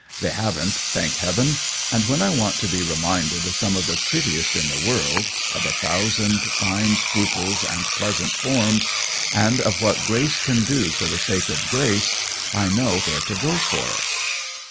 They haven't, thank Heaven ; and when I want to be reminded of some of the prettiest in the world — of a thousand fine scruples and pleasant forms, and of what grace can do for the sake of grace — I know where to go for it.